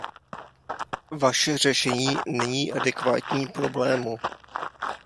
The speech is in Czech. Vaše řešení není adekvátní problému.